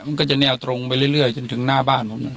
มันก็จะแนวตรงไปเรื่อยจนถึงหน้าบ้านผม